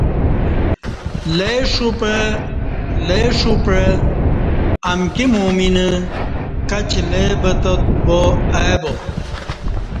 لےݜو پعتہ امکی مؤمن کچی لئے بتات وا ای باچہ